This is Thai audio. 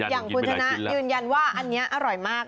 อย่างคุณชนะยืนยันว่าอันนี้อร่อยมาก